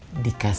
ada pada belakang